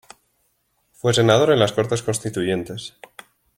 Fue senador en las Cortes Constituyentes.